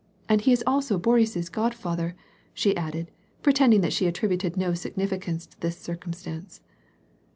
And he is also Boris's godfather," she added, pretending that she attributed no significance to this circumstance.